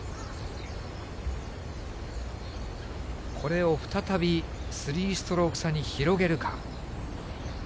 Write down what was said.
これを再び３ストローク差に広げるか。